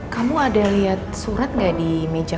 kamu ada lihat surat nggak di meja